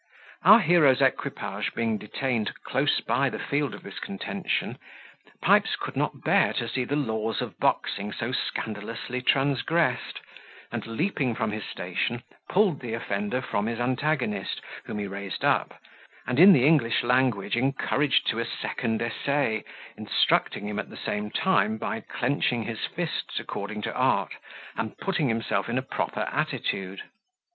Our hero's equipage being detained close by the field of this contention, Pipes could not bear to see the laws of boxing so scandalously transgressed, and, leaping from his station, pulled the offender from his antagonist, whom he raised up, and in the English language encouraged to a second essay, instructing him at the same time by clenching his fists according to art, and putting himself in a proper attitude.